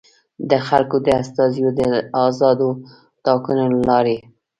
د خلکو د استازیو د ازادو ټاکنو له لارې.